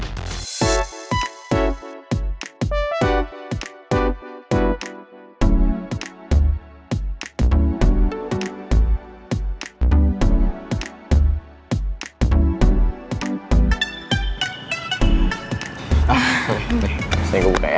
disini gue buka ya